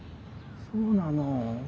そうなの？